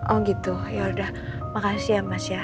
oh gitu yaudah makasih ya mas ya